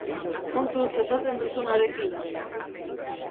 Kontuz esaten duzunarekin!